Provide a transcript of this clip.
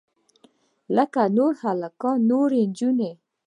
لکه نور هلکان نورې نجونې.